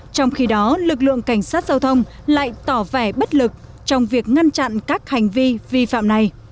trong khi đó lực lượng cảnh sát giao thông lại tỏ vẻ bất lực trong việc ngăn chặn các hành vi vi phạm này